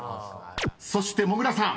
［そしてもぐらさん］